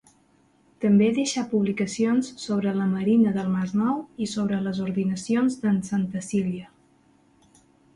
També deixà publicacions sobre la marina del Masnou i sobre les Ordinacions d’En Santacília.